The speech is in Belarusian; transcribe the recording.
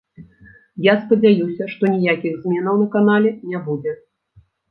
Я спадзяюся, што ніякіх зменаў на канале не будзе.